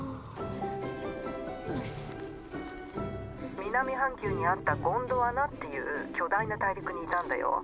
☎南半球にあったゴンドワナっていう巨大な大陸にいたんだよ。